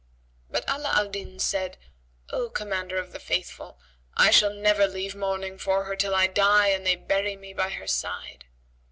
But Ala al Din said "O Commander of the Faithful, I shall never leave mourning for her till I die and they bury me by her side."